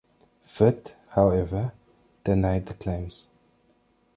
Vitt, however, denied the claims.